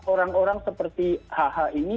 orang orang seperti hh ini